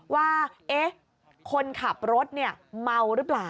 ว่าเอ๊ะคนขับรถเนี่ยเมาหรือเปล่า